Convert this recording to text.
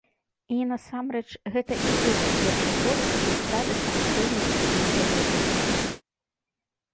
І, насамрэч, гэта і ёсць першы крок за страты самастойнасці і незалежнасці.